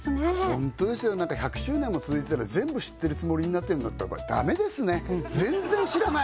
ホントですよ１００周年も続いてたら全部知ってるつもりになってるんだったらダメですね全然知らない！